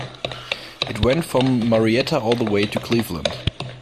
It went from Marietta all the way to Cleveland.